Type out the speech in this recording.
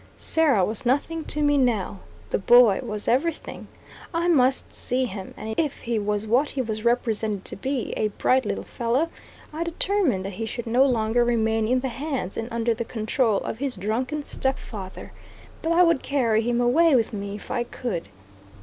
Sarah was nothing to me now. The boy was everything. I must see him, and if he was what he was represented to be, a bright little fellow, I determined that he should no longer remain in the hands and under the control of his drunken step father, but I would carry him away with me if I could.